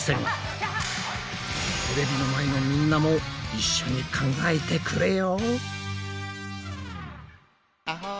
テレビの前のみんなも一緒に考えてくれよ！